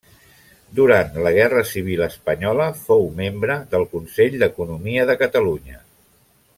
Durant la guerra civil espanyola fou membre del Consell d'Economia de Catalunya.